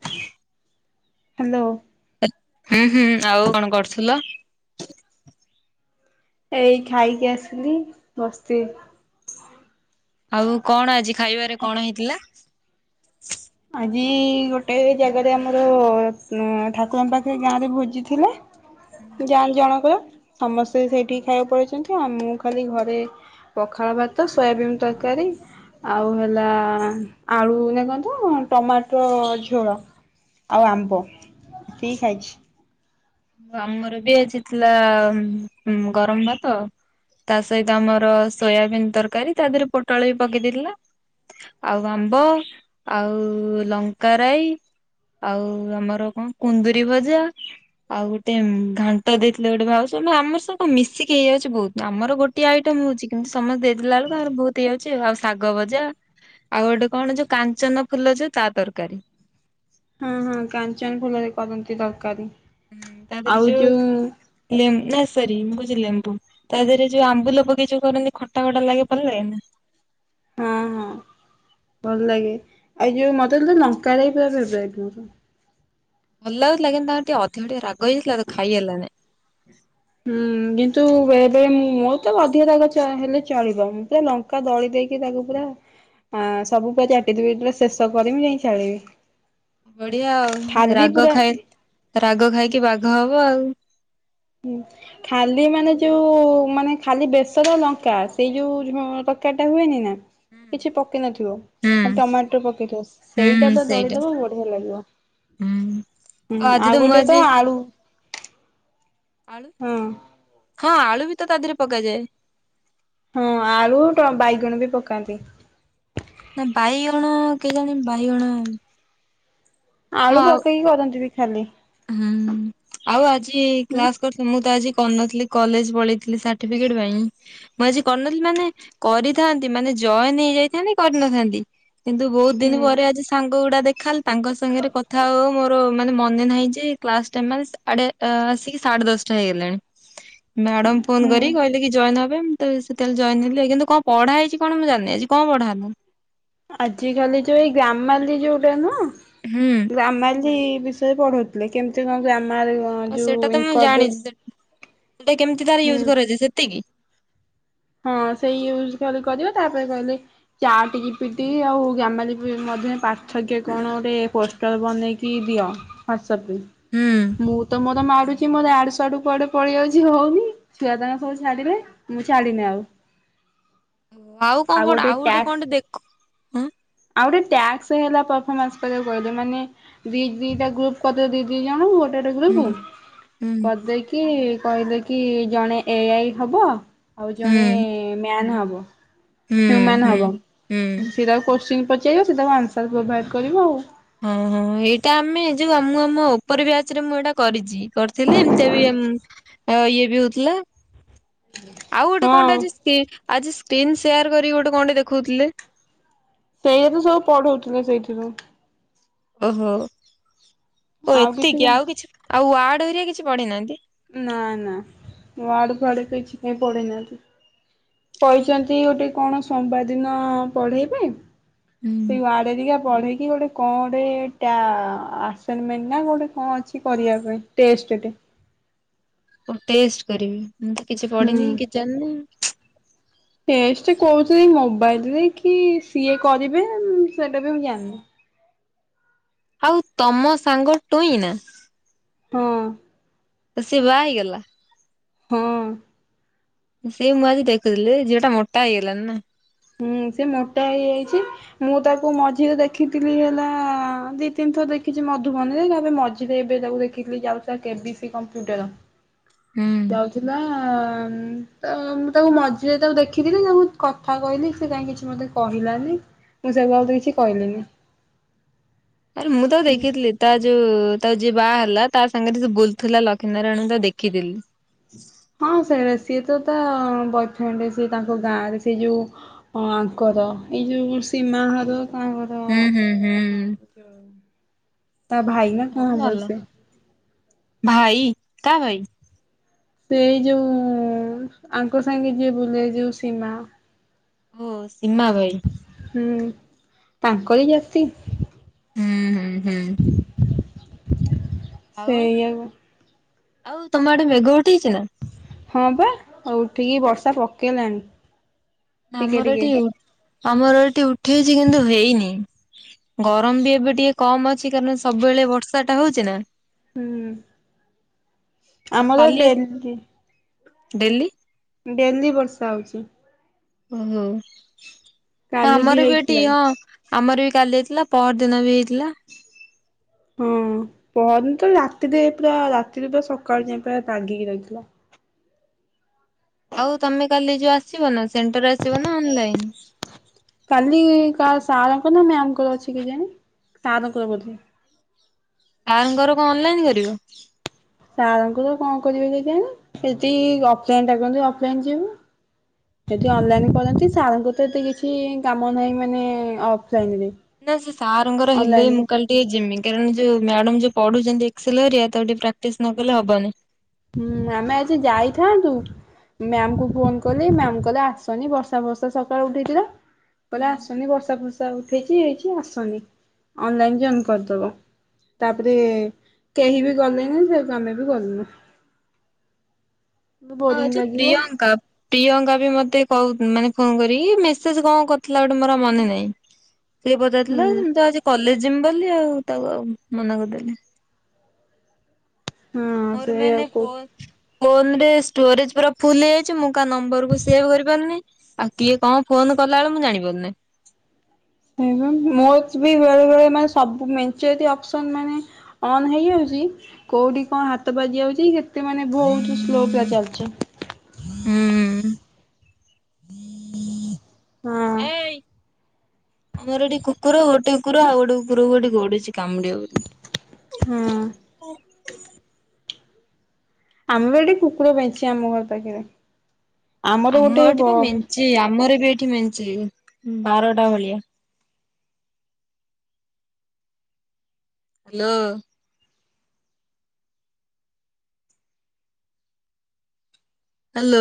ହ [inaudible] ହ୍ୟାଲୋ। ହୁଁ ହୁଁ ଆଉ କଣ କରୁଥିଲ? ଏଇ ଖାଇକି ଆସିଲି ବସିତି। ଆଉ କଣ ଆଜି ଖାଇବାରେ କଣ ହେଇଥିଲା? ଯ ଗୋଟେ ଜାଗାରେ ଆମର ଠାକୁରଙ୍କ ପାଖରେ ଗାଁରେ ଭୋଜି ଥିଲା । ଜାଣି ଜଣକର ସମସ୍ତେ ସେଇଠିକି ଖାଇବାକୁ ପଡେଇଛନ୍ତି ଆଉ ମୁଁ ଖାଲି ଘରେ ପଖାଳ ଭାତ ସୋୟାବିିନ ତରକାରୀ ଆଉ ହେଲା ଆଳୁ ନା କଣତି। ହଁ ଟମାଟୋ ଝୋଳ ଆଉ ଆମ୍ବ ଏତିକି ଖାଇଛି। ଆମର ବି ଆଜି ଥିଲା ଗରମ ଭାତ ତା ସହିତ ଆମର ସୋୟାବିିନ ତରକାରୀ ତା ଦେହରେ ପୋଟଳ ବି ପକେଇଦେଇଥିଲା। ଆଉ ଆମ୍ବ ଆଉ ଲଙ୍କାରାଇ ଆଉ ଆମର କଣ କୁନ୍ଦୁରି ଭଜା। ଆଉ ଗୋଟେ ଘାଣ୍ଟ ଦେଇଥିଲେ ଗୋଟେ ଭାଉଜ ନା ଆମର ସବୁ କଣ ମିଶିକି ହେଇଯାଉଛି ବହୁତ ଆମର ଗୋଟିଏ ଆଇଟମ। ହଛି କିନ୍ତୁ ସମସ୍ତେ ଦେଇଦେଲା ବେଳକୁ ଆମର ବହୁତ ହେଇଯାଉଚି ଆଉ ଶାଗ ଭଜା ଆଉ ଗୋଟେ କଣ ଯୋଉ କାଞ୍ଚନ ଫୁଲ ଯୋଉ ତା ତରକାରୀ। ହଁ ହଁ କାଞ୍ଚନ ଫୁଲରେ କରନ୍ତି ଦରକାରୀ। ହୁଁ ତାପରେ ଯଉ ନା ସରି ମୁଁ କହୁଛି ଲେମ୍ବୁ ତା ଦେହରେ ଯୋଉ ଆମ୍ବୁଲ ପକେଇ ଯୋଉ କରନ୍ତି ଖଟା ଖଟା ଲାଗେ ପଡିଲେ। ହଁ ହଁ। ଭଲ ଲାଗେ ଆଉ ଯୋଉ ମତେ ନୁହେଁ ଲଙ୍କା ଦେଇ ପୁରା ଫେବରାଇଟ ମୋର। ଭଲ ଲାଗୁଥିଲା କିନ୍ତୁ ତାଙ୍କର ଟିକେ ଅଧିକ ଟିକେ ରାଗ ହେଇାଜାଇଥିଲାତ ଖାଇ ହେଲାନି। ହୁଁ କିନ୍ତୁ ଏବେ ମୋ ତ ଅଧିକ ରାଗ ହେଲେ ଚଳିବ ମୁଁତ ଲଙ୍କା ଦଳିକି କିରି ତାକୁ ପୁରା ସବୁ ପୁରା ଚାଟି ଚୁଟାକି ଶେଷ କରିବି ଯାଇ ଛାଡିବି। ବଢିଆ ଆଉ ଖାଲି ରାଗ ପୁରା ଖାଇ ରାଗ ଖାଇକି ବାଘ ହବ ଆଉ। ହଁ ଖାଲି ମାନେ ଯୋଉ ମାନେ ଖାଲି ବେସର ଲଙ୍କା ସେଇ ଯୋଉ ତରକାରୀଟା ହୁଏନି ନା କିଛି ପକେଇ ନଥିବ। ହୁଁ ହ ଟମାଟୋ ପକେଇଥ ସେଇଟା ବା ଦଳିଦବା ବଢିଆ ଲାଗିବ। ହୁଁ ହୁଁ ଆଜି ଆଉ ମୁଁ ଗୋଟେ ଆଜି ତ ଆଳୁ। ଆଳୁ ହଁ ହଁ ଆଳୁବି ତ ତା' ଦେହରେ ପକାଯାଏ। ହଁ ଆଳୁ ବାଇଗଣ ବି ପକାନ୍ତି। ନା ବାଇଗଣ କେ ଜାଣି ବାଇଗଣ। ହଁ ଆଳୁ ଆଉ ପକେଇକି କରନ୍ତି ବି ଖାଲି ହୁଁ ଆଉ ଆଜି ହୁଁ କ୍ଲାସ କରିଛ? ମୁଁ ତ ଆଜି କରିନଥିଲି, କଲେଜ ପଳେଇଥିଲି, ସାର୍ଟିଫିକେଟ ପାଇଁ, ମୁଁ ଆଜି କରିନଥିଲି ମାନେ, କରିଥାନ୍ତି, ମାନେ ଜୟନ ନେଇଯାଇଥାନ୍ତି, କରିନଥାନ୍ତି। କିନ୍ତୁ ବହୁତ ଦିନ ହୁଁ ପରେ ଆଜି ସାଙ୍ଗ ଗୁଡା ଦେଖାହେଲେ, ତାଙ୍କ ସାଙ୍ଗରେ କଥା ହଉହଉ ମୋର ମାନେ ମନେ ନାହିଁ କ୍ଲାସ ଟାଇମ ମାନେ, ଆସିକି ସାଢେ ଦଶଟା ହେଇଗଲାଣି। ମ୍ୟାଡମ ଫୋନ ହୁଁ। କରି କହିଲେ କି ଜଏନ ହବ। ମୁଁ ତ ସେତେବେଳେ ଜଏନ ହେଲି କିନ୍ତୁ କଣ ପଢା ହେଇଛି କଣ ମୁଁ ଜାଣିନି, ଆଜି କଣ ପଢା ହେଲା? ଆଜିକାଲି ଯୋଉ ଏଇ ଗ୍ରାମାଲି ଯୋଉଟା ନୁହଁ, ହୁଁ ଗ୍ରାମାଲି ବିଷୟରେ ପଢଉଥିଲେ କେମିତି କଣ ମାର ଆଉ ଯଉ ସେଇଟା ତ ଇନ ମୁଁ କରଦେ ଜାଣିଛି ହୁଁ। ସେଟା କେମିତି ତାର ୟୁଜ [unintelligible] କରାଯାଏ ସେତିକି। ହଁ। ସେଇ ୟ କହିଲ କରିବା ତାପରେ କହିଲେ, ଚା ଟିକେ ପି ଦେଇ ଆଉ ଗାମାଲି ମଧ୍ୟ ପାଠ ଆଗେ କଣ ଗୋଟେ ପୋଷ୍ଟର ବନେଇକି ଦିଅ। ସ ହୁଁ। ମୁଁ ତ ମର ମାଡୁଛି ମର ଆଡ ଆଡୁ କୁଆଡେ ପଳେଇ ଆଉଛି ହଉନି, ଛୁଆ [unintelligible] ଛାଡିଲେ ମୁଁ ଛାଡିନି ଆଉ। ଆଉ କଣ ପଡ ଆଉ ଗୋଟେ କଣ ଟେ ଦେଖଁ ଟାସ୍କ ହେଲା ପରଫମାସକୁ କହିଦେ ମାନେ ଦି ଦିଟା ଗ୍ରୁପ୍ କରିଦେ ଦି ଦି ଜଣ। ହୁଁ କୁ ହୁଁ କରିଦେଇକି କହିଲେ କି ଜଣେ ଏଆଇ ହବ। ଆଉ ହୁଁ ଜଣେ ମ୍ୟାନ ହବ, ହୁଁ ହ୍ୟୁମାନ ହୁଁ ହବ, ହୁଁ ସେଟାକୁ ଚିନ୍ ପଚାରିବ ସ ସେ ତାକୁ ଆନ୍ସର୍ ପ୍ରୋଭାଇଡ଼ କରିବ ଆଉ। ହଁ, ହଁ, ଏଇଟା ଆମେ ଯୋଉ ମୁ ଆମ ଉପର ବ୍ୟାଚ ରେ ମୁଁ ଏଇଟା କରିଛି, କରିଥିଲି। ଏମିତିଆ ବି ଇଏ ବି ହଉଥିଲା। ହଁ। [inaudible] ଆଉ ଗୋଟେ କଣଟା ଅଛି, ସ୍କି ଆଜି ସ୍କ୍ରୀନ ସେୟାର କରି ଗୋଟେ କଣ ଟେ ଦେଖଉଥିଲେ। ସେଇା ତ ସବୁ ପଢଉଥିଲେ ସେଇଥିରୁ। ଓହୋ, ଓ ଆଉ କିଛି କ ଏତିକି ଆଉ କିଛି, ଆଉ ୱାର୍ଡ ଓରିଆ କିଛି ପଢେଇନାହାନ୍ତି। ନା ନା ୱାଡ ଫ୍ଵାଡ କିଛି କାଇ ପଡ଼େଇନାହାନ୍ତି। କହିଛନ୍ତି ଗୋଟେ କଣ ସମବାର ଦିନ ପଢେଇ ପାଇଁ। ସେଇ ୱାଡେ ହେରିକା ପଢେଇକି ଗୋଟେ କଣ ଗୋଟେ ଟିଆ ଆସନମେଣ୍ଟ ନା ଗୋଟେ କଣ ଅଛି କରିବା ପାଇଁ ଟେଷ୍ଟ। ସେଟି ଟେଷ୍ଟ କରିବି, ମୁଁ କିଛି ପଡିିନି ହୁଁ। କି ଜାଣିନି। ଟେଷ୍ଟ କଉଥିରେ ମୋବାଇଲରେ କି ସିଏ କରିବେ, ସେଟା ବି ମୁ ଜାଣିନି। [inaudible] ଆଉ ତମ ସାଙ୍ଗ ଟୋଇଁ ନା। ହଁ। ସେ ବା ହେଇଗଲା। ହଁ। ସେଇ ମୁଁ ଆଜିି ଦେଖୁଥିଲି, ଝିଅଟା ମୋଟା ହେଇଗଲାଣି ନା। ହୁଁ, ସେ ମୋଟା ହେଇଯାଇଛି, ମୁଁ ତାକୁ ମଝିରେ ଦେଖିଥିଲି ହେଲା ଦି ତିନିଥର। ଦେଖିଛି, ମଧୁବନୀରେ, ତାପରେ ବେ ମଝିରେ ଏବେ ତାକୁ ଦେଖିଥିଲି, ଯାଉଥିଲା କେ ବି ସି କମ୍ପ୍ୟୁଟର। ହୁଁ ଯାଉଥିଲା, ତା ମୁଁ ତାକୁ ମଝିରେ ତାକୁ ଦେଖିଥିଲି ତାଙ୍କୁ କଥା କଥା କହିଲି, ସେ କାଇ କିଛି ମତେ କହିଲାନି, ମୁଁ ସେଠୁ କିଛି କହିଲିନି। ଆରେ ମୁଁ ତ ଦେଖିଥିଲି, ତା ଯୋଉ ତା ଯିଏ ବାହା ହେଲା, ତା ସାଙ୍ଗରେ ବୁଲୁଥିଲା ଲକ୍ଷ୍ମୀ ନାରାୟଣଙ୍କୁ ତା ଦେଖିଥିଲି। ହଁ, ସେଇଟ ସିଏ ତ ତା ବୟଫ୍ରେଣ୍ଡ ସେ ତାଙ୍କ ଗାଁ ରେ ସେ ଯୋଉ ଅଁ ଙ୍କ ଏଇ ଯୋଉ ସୀମା ହର। ହୁଁ ହୁଁ ହୁଁ। ତା ଭାଇ ନା ହଁ କଣ ହବ ଭଲ। ସେ। ଭାଇ କା ଭାଇ? ସେଇ ଯୋଉ ଆଙ୍କ ସାଙ୍ଗେ ଯିଏ ବୁଲେ ଯୋଉ ସୀମା। ଓଃ ସିମା ଭାଇ। ହୁଁ ତାଙ୍କରି ଜାତି। ହୁଁ ହୁଁ ହୁଁ। ସେଇ ଆଉ। ଆଉ ତମ ଆଡ଼େ ମେଗ ହଁ ବା ଅ ଉଠିକି ବର୍ଷା ପକେଇଲାଣି। ଟିକେ ଆମର ଟିକେ ଏଠି ଉଁ ଆମର ଏଠି ଉଠେଇଛି କିନ୍ତୁ ହେଇନି। ଗରମ ବି ଏବେ ଟିକେ କମ୍ ଅଛି କାରଣ ସବୁବେଳେ ବର୍ଷା ଟା ହୋଉଛି ନା। ହୁଁ ଆଉ ଆମର କାଲି ଆସି ଡେଲି। ଡେଲି। ଡେଲି ବର୍ଷା ହୋଉଛି। ଓହୋ ହଁ କାଲି ଆମର ବି ଏଟି ହେଇଥିଲା। ହଁ। ଆମର ବି କାଲି ହେଇଥିଲା ପହର ଦିନ ବି ହେଇଥିଲା। ହୁଁ। ଅଁ ପହନି ତ ରାତିରେ ପୁରା ରାତିରେ ପୁରା ସକାଳୁ ଯାଏଁ ପୁରା ତାଗିକି ରହିଥିଲା। ଆଉ ତମେ କାଲି ଯୋଉ ଆସିବ ନା ସେଣ୍ଟର୍ ରେ ଆସିବ ନା ଅନଲାଇନ୍? କାଲି କା ସାର୍ ଙ୍କ ନା ମ୍ୟାମ୍ ଙ୍କର ଅଛି କେଜାଣି ସାରଙ୍କର ବୋଧେ। ଆ ଙ୍କର କଣ ଅନଲାଇନ୍ କରିବ? ସାର୍ ଙ୍କୁ ତ କଣ କରିବେ ଯଦି ଅଫଲାଇନ୍ ଡାକନ୍ତି ଅଫଲାଇନ୍ ଯିବୁ। ଯଦି ଅନଲାଇନ୍ କରନ୍ତି ସାର୍ ଙ୍କୁ ତ ଏତେ କିଛି କାମ ନାହିଁ ମାନେ ଅଫଲାଇନ୍ ରେ। ନା ସେ ସାରଙ୍କର ହେଲେ ମୁଁ କାଲି ଟିକେ ଜିମି। କାରଣ ଯୋଉ ମ୍ୟାଡାମ୍ ଯୋଉ ପଢ଼ୁଉଛନ୍ତି ଏକ୍ସେଲ୍ ଏରିଆ ତାକୁ ଟିକେ ପ୍ରାକ୍ଟିସ୍ ନକଲେ ହବନି। ହୁଁ ଆମେ ଆଜି ଯାଇଥାନ୍ତୁ ମ୍ୟାମ୍ କୁ ଫୋନ୍ କଲି ମ୍ୟାମ୍ କହିଲେ ଆସନି ବର୍ଷା ଭଷା ସକାଳୁ ଉଠେଇଥିଲା। ହୁଁ କିହିଲେ ଆସନି ବର୍ଷା ଫର୍ଷା ଉଠେଇଛି ହେଇଛି ଆସନି ଅନଲାଇନ୍ ଜଏନ୍ କରିଦବ। ହୁଁ। ତାପରେ କେହି ବି ଗଲେନି ସେଠୁ ଆମେ ବି ଗଲୁନୁ। ହଁ ବୋରିଂ ଛ ଲାଗିବ ପ୍ରିୟଙ୍କା। ପ୍ରିୟଙ୍କା ବି ମତେ କହୁ ମାନେ ଫୋନ୍ କରିକି ମେସେଜ୍ କଣ କରୁଥିଲା ଗୋଟେ ମୋର ଆଉ ମନେ ନାହିଁ। ସେ ବି ହୁଁ ପଚାରୁଥିଲା ତୁ ଆଜି କଲେଜ ଜିମ୍ ବୋଲି ଆଉ ତାକୁ ଆଉ ମନା କରିଦେଲି। ହଁ ମୋର ସେଇଆ ମେନେ କହୁ ପ ଫୋନ୍ ରେ ଷ୍ଟୋରେଜ୍ ପୁରା ଫୁଲ୍ ହେଇଯାଇଛି ମୁଁ କାହା ନମ୍ବର୍ କୁୁ ସେଭ୍ କରିପାରୁନି। ଆଉ କିଏ କଣ ଫୋନ୍ କଲା ବେଳେ ମୁଁ ଜାଣି ପାରୁନି। ସେଇବା ମୋଚ୍ ବି ବେଳେ ବେଳେ ମାନେ ସବୁ ମେଞ୍ଚେ ଅତି ଅପ୍ସନ୍ ମାନେ ଅନ୍ ହେଇଯାଉ ଚି କୋଉଠି କଣ ହାତ ବାଜି ଯାଉଛି କେତେ ମାନେ ବୋହୁତୁ ସ୍ଲୋ ପ୍ୟା ଚାଲିଚି। ହୁଁ। ହୁ ହେଇ। ଆମର ଏଠି କୁକୁର ଗୋଟେ କୁକୁର ଆଉ ଗୋଟେ କୁକୁରକୁ ଏଠି ଗୋଉଡୁଛି କାମୁଡ଼ିବ ବୋଲି। ହଁ। ଆମେ ବି ଏଠେ କୁକୁର ପାଇଛେ ଆମ ଘର ପାଖେରେ। ଆମ ଏଠି ତ ମେଞ୍ଚେ ଆମର ବି ଏଠି ମେଞ୍ଚେ ବାରଟା ଭଳିଆ। ହ୍ୟାଲୋ। ହ୍ୟାଲୋ।